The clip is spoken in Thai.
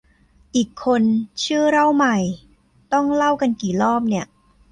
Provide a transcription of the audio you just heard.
อีกคนชื่อเล่าใหม่ ต้องเล่ากันกี่รอบเนี่ย